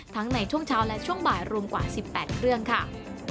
ในช่วงเช้าและช่วงบ่ายรวมกว่า๑๘เครื่องค่ะ